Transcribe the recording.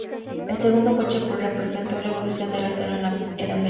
El segundo coche representó la evolución del acero en la era medieval.